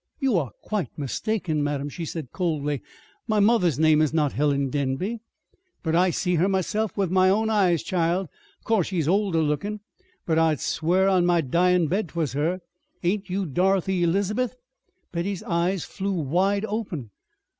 "You are quite mistaken, madam," she said coldly. "My mother's name is not Helen Denby." "But I see her myself with my own eyes, child! Of course she's older lookin', but I'd swear on my dyin' bed 'twas her. Ain't you Dorothy Elizabeth?" Betty's eyes flew wide open.